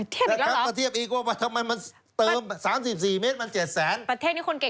เทียบอีกแล้วเหรอประเทศนี้คนเก่งแน่ะเยอะนะมันเติม๓๔เมตร๗๐๐บาท